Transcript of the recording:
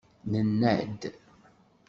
Nenna-d.